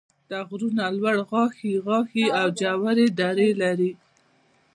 دا غرونه لوړ غاښي غاښي او ژورې درې لري.